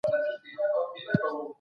کله واکسینونه د ناروغیو مخنیوی کوي؟